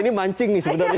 ini mancing nih sebenarnya